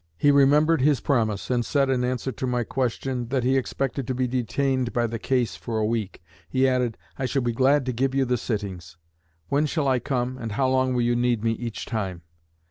He remembered his promise, and said, in answer to my question, that he expected to be detained by the case for a week. He added: 'I shall be glad to give you the sittings. When shall I come, and how long will you need me each time?'